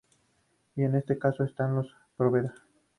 Y en este caso están los Poveda.